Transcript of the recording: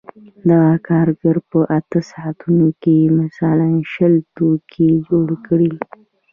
دغه کارګر په اته ساعتونو کې مثلاً شل توکي جوړ کړي